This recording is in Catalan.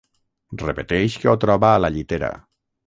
Repeteix que ho troba a la llitera.